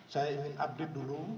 saya ingin update dulu